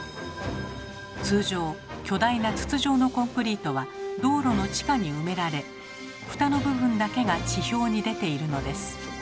通常巨大な筒状のコンクリートは道路の地下に埋められフタの部分だけが地表に出ているのです。